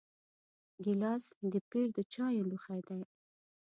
ګیلاس د پیر د چایو لوښی دی.